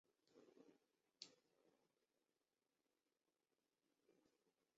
塞那阿巴斯巨人像附近的山脚。